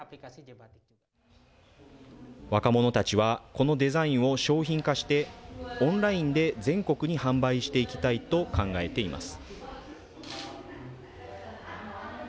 若者たちはこのデザインを商品化して、オンラインで全国に販売していきたいと考えています。